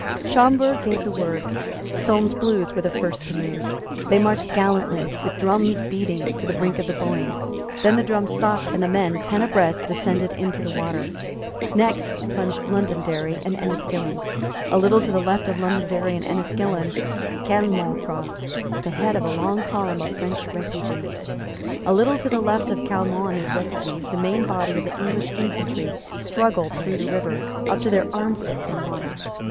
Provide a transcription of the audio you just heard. Schomberg gave the word. Solmes's Blues were the first to move. They marched gallantly, with drums beating, to the brink of the Boyne. Then the drums stopped; and the men, ten abreast, descended into the water. Next plunged Londonderry and Enniskillen. A little to the left of Londonderry and Enniskillen, Caillemot crossed, at the head of a long column of French refugees. A little to the left of Caillemot and his refugees, the main body of the English infantry struggled through the river, up to their armpits in water.